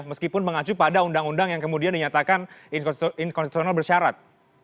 meskipun mengacu pada undang undang yang kemudian dinyatakan inkonstitusional bersyarat